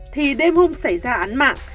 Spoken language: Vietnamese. thì đêm hôm xảy ra án mạng